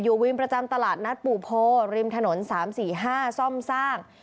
วินประจำตลาดนัดปู่โพริมถนน๓๔๕ซ่อมสร้าง